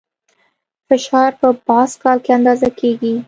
فشار په پاسکال کې اندازه کېږي.